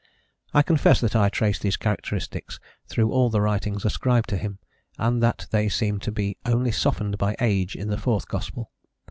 I confess that I trace these characteristics through all the writings ascribed to him, and that they seem to be only softened by age in the fourth gospel.